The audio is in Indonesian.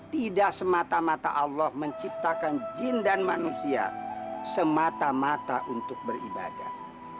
tidak semata mata allah menciptakan jindan manusia semata mata untuk beribadah